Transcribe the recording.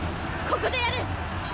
ここでやる！